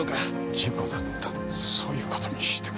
事故だったそういうことにしておく。